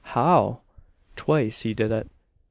How?" "Twice he did it.